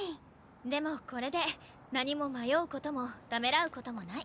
でもこれで何も迷う事もためらう事もない。